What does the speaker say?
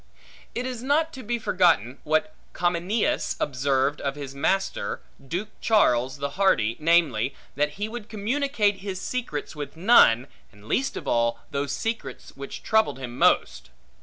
It is not to be forgotten, what Comineus observeth of his first master, Duke Charles the Hardy, namely, that he would communicate his secrets with none; and least of all, those secrets which troubled him most.